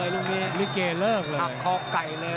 ลื่เกธ์เลิกเลย